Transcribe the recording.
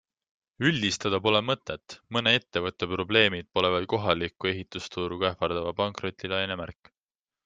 Üldistada pole mõtet, mõne ettevõtte probleemid pole veel kohalikku ehitusturgu ähvardava pankrotilaine märk.